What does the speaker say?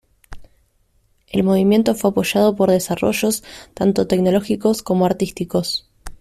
El movimiento fue apoyado por desarrollos tanto tecnológicos como artísticos.